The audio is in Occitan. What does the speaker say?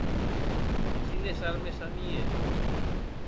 Quines armes amie?